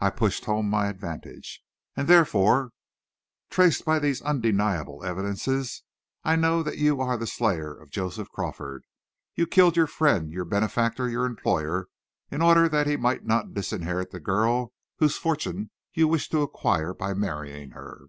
I pushed home my advantage. "And therefore, traced by these undeniable evidences, I know that you are the slayer of Joseph Crawford. You killed your friend, your benefactor, your employer, in order that he might not disinherit the girl whose fortune you wish to acquire by marrying her!"